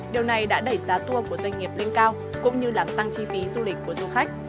điều này đã đẩy giá tour của doanh nghiệp lên cao cũng như làm tăng chi phí du lịch của du khách